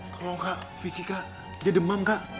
kalau kak vicky kak dia demam kak